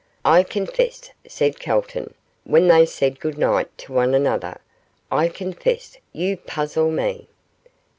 'I confess,' said Calton, when they said good night to one another, 'I confess you puzzle me.